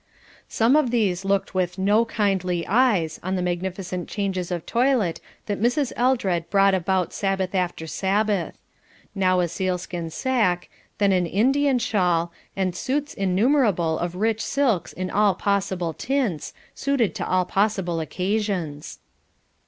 Some of these looked with no kindly eyes on the magnificent changes of toilet that Mrs. Eldred brought out Sabbath after Sabbath; now a sealskin sacque, then an Indian shawl, and suits innumerable of rich silks in all possible tints, suited to all possible occasions.